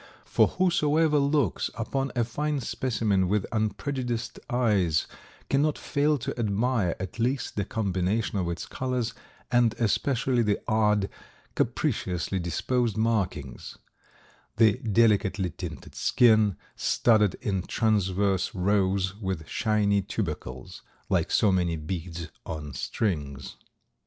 For whosoever looks upon a fine specimen with unprejudiced eyes cannot fail to admire at least the combination of its colors and especially the odd, capriciously disposed markings; the delicately tinted skin, studded in transverse rows with shiny tubercles, like so many beads on strings.